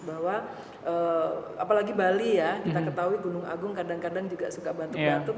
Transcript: bahwa apalagi bali ya kita ketahui gunung agung kadang kadang juga suka batuk batuk